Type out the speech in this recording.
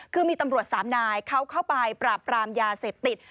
คือมีตำรวจสามนายเขาเข้าไปปราบปรามยาเสพติด